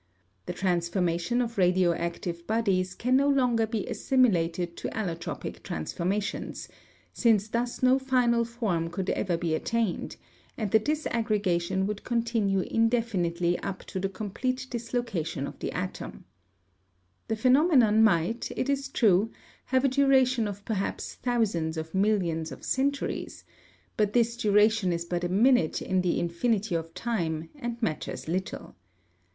The transformation of radioactive bodies can no longer be assimilated to allotropic transformations, since thus no final form could ever be attained, and the disaggregation would continue indefinitely up to the complete dislocation of the atom. The phenomenon might, it is true, have a duration of perhaps thousands of millions of centuries, but this duration is but a minute in the infinity of time, and matters little.